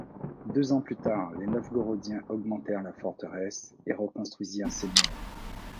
Deux ans plus tard, les Novgorodiens augmentèrent la forteresse et reconstruisirent ses murs.